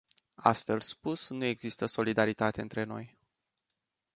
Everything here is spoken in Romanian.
Altfel spus, nu există solidaritate între noi.